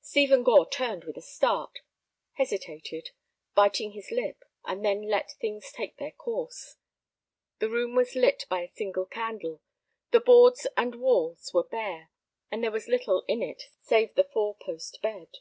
Stephen Gore turned with a start, hesitated, biting his lip, and then let things take their course. The room was lit by a single candle; the boards and walls were bare, and there was little in it save the four post bed.